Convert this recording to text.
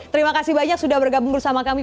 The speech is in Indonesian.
terima kasih banyak sudah bergabung bersama kami